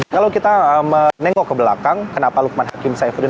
kalau kita menengok ke belakang kenapa lukman hakim saifuddi